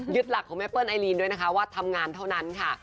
หลักของแม่เปิ้ลไอลีนด้วยนะคะว่าทำงานเท่านั้นค่ะ